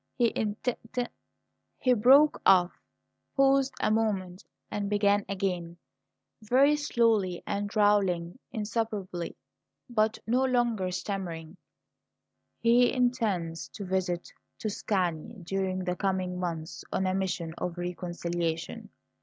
He int t '" He broke off, paused a moment, and began again, very slowly and drawling insufferably, but no longer stammering: "'He intends to visit Tuscany during the coming month on a mission of reconciliation.